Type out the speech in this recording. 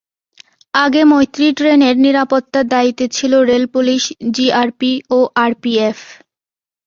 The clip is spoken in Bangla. আগে মৈত্রী ট্রেনের নিরাপত্তার দায়িত্বে ছিল রেল পুলিশ জিআরপি ও আরপিএফ।